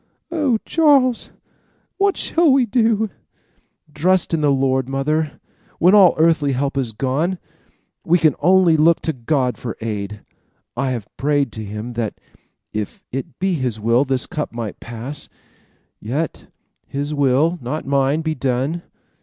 "Oh, Charles, what shall we do?" "Trust in the Lord, mother. When all earthly help is gone, we can only look to God for aid. I have prayed to him that, if it be his will, this cup might pass; yet his will, not mine, be done.